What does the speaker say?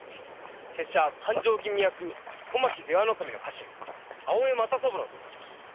せっしゃ勘定吟味役・小牧出羽守家臣・青江又三郎と申します。